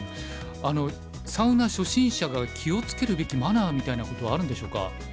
サウナ初心者が気を付けるべきマナーみたいなことはあるんでしょうか。